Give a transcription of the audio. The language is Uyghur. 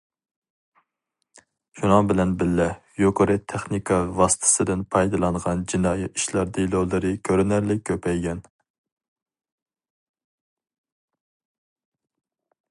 شۇنىڭ بىلەن بىللە، يۇقىرى تېخنىكا ۋاسىتىسىدىن پايدىلانغان جىنايى ئىشلار دېلولىرى كۆرۈنەرلىك كۆپەيگەن.